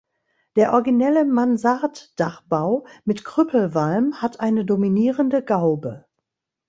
Der originelle Mansarddachbau mit Krüppelwalm hat eine dominierende Gaube.